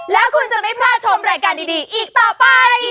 แล้วคุณจะไม่พลาดชมรายการดีอีกต่อไป